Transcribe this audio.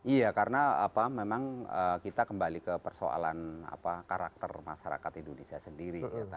iya karena memang kita kembali ke persoalan karakter masyarakat indonesia sendiri